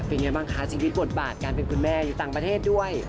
เป็นไงบ้างคะชีวิตบทบาทการเป็นคุณแม่อยู่ต่างประเทศด้วย